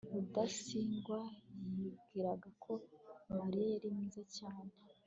rudasingwa yibwiraga ko mariya yari mwiza cyane